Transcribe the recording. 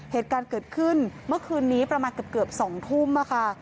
เหตุการณ์เกิดขึ้นเมื่อคืนนี้ประมาณเกือบ๒ทุ่มค่ะ